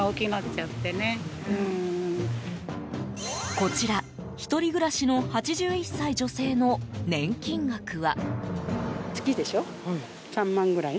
こちら、１人暮らしの８１歳女性の年金額は？